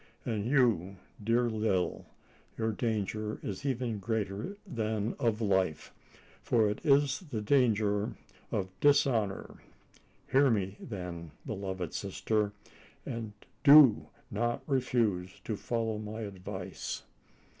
And you, dear Lil! your danger is even greater than of life for it is the danger of dishonour! Hear me, then, beloved sister, and do not refuse to follow my advice!